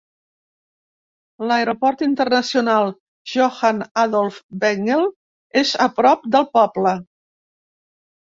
L'aeroport internacional Johan Adolf Pengel és a prop del poble.